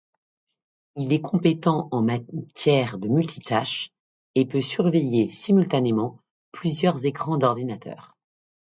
Il est compétent en matière de multitâche et peut surveiller simultanément plusieurs écrans d'ordinateur.